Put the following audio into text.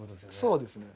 そうですね。